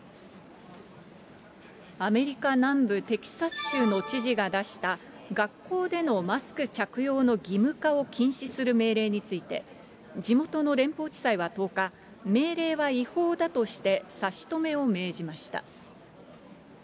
アメリカ南部テキサス州の知事が出した、学校でのマスク着用の義務化を禁止する命令について、地元の連邦地裁は１０日、命令は違法だとして、差し止めを命じました。